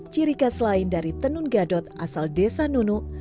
ciri khas lain dari tenun gadot asal desa nunuk